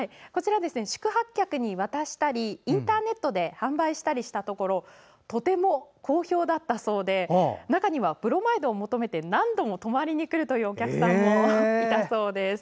宿泊客に渡したりインターネットで販売したところとても好評だったそうで中には、ブロマイドを求めて何度も泊まりに来るというお客さんもいたそうです。